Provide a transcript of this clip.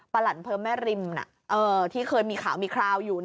ประหลักศาสตร์เพิ่มแม่ริมที่เคยมีข่าวมีคราวอยู่